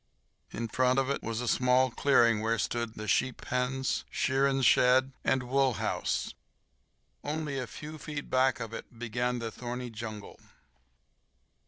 In front of it was a small clearing where stood the sheep pens, shearing shed, and wool house. Only a few feet back of it began the thorny jungle.